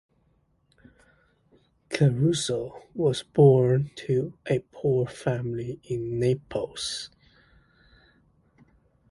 Caruso was born to a poor family in Naples.